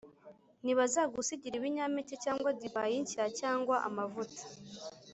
Ntibazagusigira ibinyampeke, cyangwa divayi nshya cyangwa amavuta,